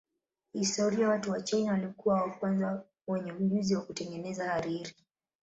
Kihistoria watu wa China walikuwa wa kwanza wenye ujuzi wa kutengeneza hariri.